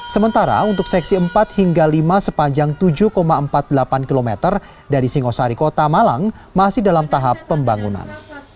sementara untuk seksi empat hingga lima sepanjang tujuh empat puluh delapan km dari singosari kota malang masih dalam tahap pembangunan